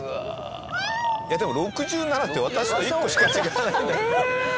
でも６７って私と１個しか違わないんだけど。